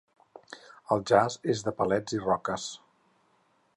El jaç és de palets i roques.